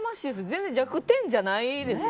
全然弱点じゃないです。